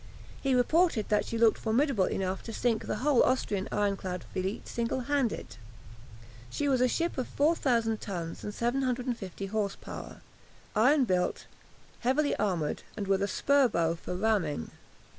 He reported that she looked formidable enough to sink the whole Austrian ironclad fleet single handed. She was a ship of 4000 tons and 750 horse power, iron built, heavily armoured, and with a spur bow for ramming.